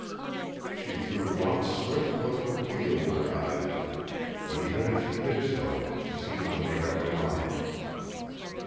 She threw one swift look of appeal in his eyes; but even as she did so she seemed to make up her mind.